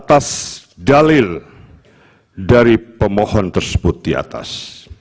atas dalil dari pemohon tersebut di atas